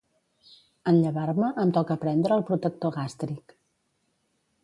En llevar-me em toca prendre el protector gàstric.